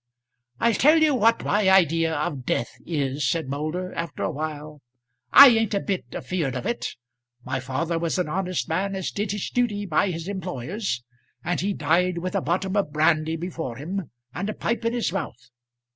"I'll tell you what my idea of death is," said Moulder, after a while. "I ain't a bit afeard of it. My father was an honest man as did his duty by his employers, and he died with a bottom of brandy before him and a pipe in his mouth.